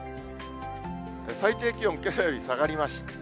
最低気温、けさより下がりました。